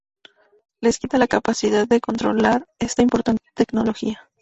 les quita la capacidad de controlar esta importante tecnología